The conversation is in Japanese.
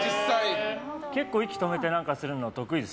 結構、息止めて何かするの得意です